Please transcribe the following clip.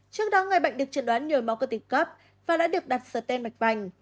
trước đó người bệnh được truyền đoán nhồi máu cơ tiêm cấp và đã được đặt sở tên mạch bành